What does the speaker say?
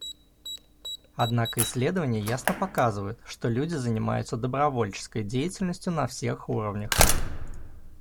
Однако исследования ясно показывают, что люди занимаются добровольческой деятельностью на всех уровнях.